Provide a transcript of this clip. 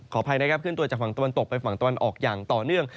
อภัยนะครับเคลื่อนตัวจากฝั่งตะวันตกไปฝั่งตะวันออกอย่างต่อเนื่อง